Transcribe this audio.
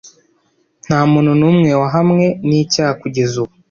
Nta muntu n'umwe wahamwe n'icyaha kugeza ubu.